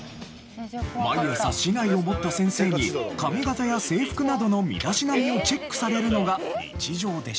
毎朝竹刀を持った先生に髪形や制服などの身だしなみをチェックされるのが日常でした。